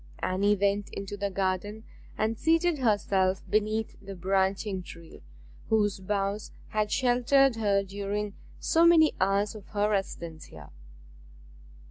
Anne went into the garden and seated herself beneath the branching tree whose boughs had sheltered her during so many hours of her residence here.